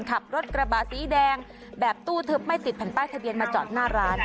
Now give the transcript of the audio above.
ขับรถกระบะสีแดงแบบตู้ทึบไม่ติดแผ่นป้ายทะเบียนมาจอดหน้าร้าน